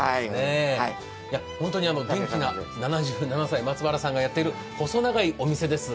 元気な７７歳、松原さんがやっていらっしゃる細長いお店です。